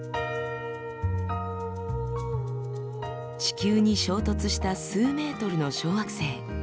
地球に衝突した数ｍの小惑星。